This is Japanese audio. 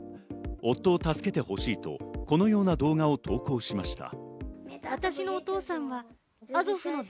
夫を助けてほしいと、このような動画を投稿しました。